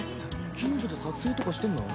近所で撮影とかしてんの？